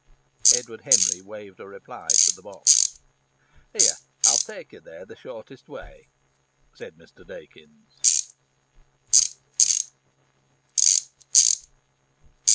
Edward Henry waved a reply to the box. "Here! I'll take you there the shortest way," said Mr. Dakins.